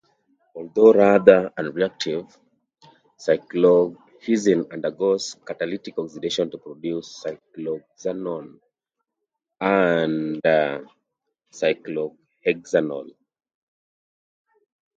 Although rather unreactive, cyclohexane undergoes catalytic oxidation to produce cyclohexanone and cyclohexanol.